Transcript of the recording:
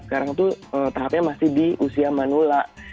sekarang tuh tahapnya masih di usia manula